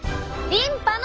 リンパや。